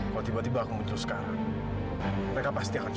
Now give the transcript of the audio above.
kalau tiba tiba aku muncul sekarang mereka pasti akan